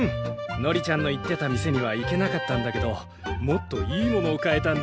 のりちゃんの言ってた店には行けなかったんだけどもっといいものを買えたんだ。